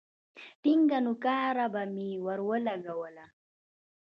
ټينگه نوکاره به مې ورولگوله.